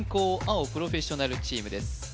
青プロフェッショナルチームです